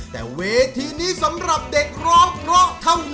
แต่เวทีนี้สำหรับเด็กร้องเพราะเท่านั้น